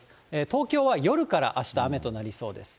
東京は夜から、あした雨となりそうです。